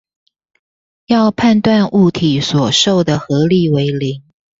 要判斷物體所受的合力為零